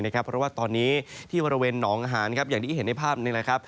เพราะว่าตอนนี้ที่บริเวณหนองอาหารอย่างที่เห็นในภาพนี้นะครับ